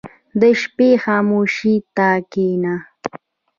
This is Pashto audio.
• د شپې خاموشي ته کښېنه.